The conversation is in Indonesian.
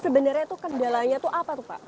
sebenarnya itu kendalanya itu apa pak